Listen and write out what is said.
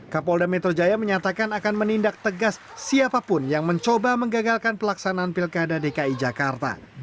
kapolda metro jaya menyatakan akan menindak tegas siapapun yang mencoba menggagalkan pelaksanaan pilkada dki jakarta